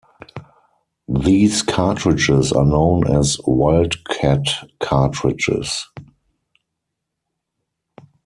These cartridges are known as wildcat cartridges.